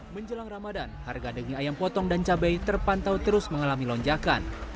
menjelang ramadan harga daging ayam potong dan cabai terpantau terus mengalami lonjakan